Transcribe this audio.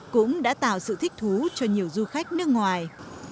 cũng đã tạo sự thích thú cho nhiều du khách nước ngoài